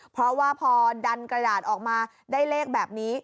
เพราะว่าพอดันกระดาษออกมาได้เลขแบบนี้